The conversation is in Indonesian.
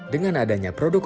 dengan adanya produk